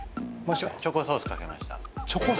チョコソース掛けました。